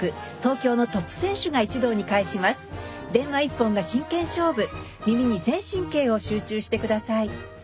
電話一本が真剣勝負耳に全神経を集中して下さい！